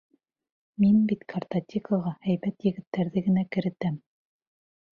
Мин бит картотекаға һәйбәт егеттәрҙе генә керетәм.